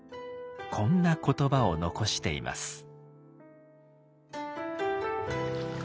こんな言葉を残しています。